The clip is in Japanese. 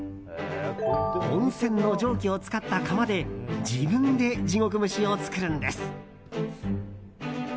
温泉の蒸気を使った釜で自分で地獄蒸しを作るんです。